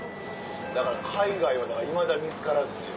だから海外はいまだ見つからずというか。